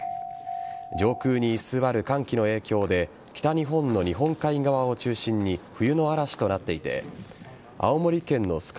上空に居座る寒気の影響で北日本の日本海側を中心に冬の嵐となっていて青森県の酸ケ